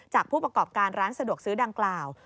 ผู้ประกอบการร้านสะดวกซื้อดังกล่าว